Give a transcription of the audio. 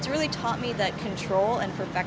itu benar benar mengajari saya bahwa kontrol dan perpek